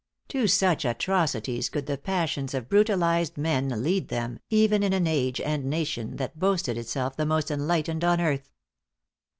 To such atrocities could the passions of brutalized men lead them, even in an age and nation that boasted itself the most enlightened on earth!